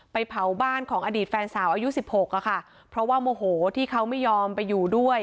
เผาบ้านของอดีตแฟนสาวอายุสิบหกอะค่ะเพราะว่าโมโหที่เขาไม่ยอมไปอยู่ด้วย